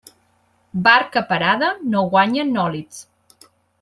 Barca parada no guanya nòlits.